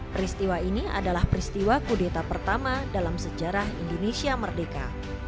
peristiwa ini adalah peristiwa kudeta pertama dalam sejarah indonesia merdeka